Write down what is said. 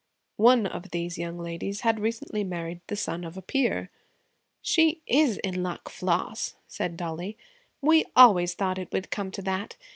One of these young ladies had recently married the son of a peer. 'She is in luck, Floss,' said Dollie. 'We always thought it would come to that.